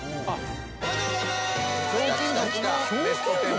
あっ！